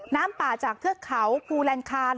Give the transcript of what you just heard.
น้ำปาจากเทอดเขาพูแลนคาร